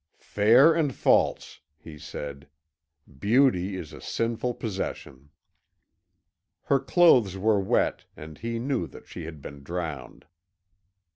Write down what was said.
"Fair and false," he said. "Beauty is a sinful possession." Her clothes were wet, and he knew that she had been drowned.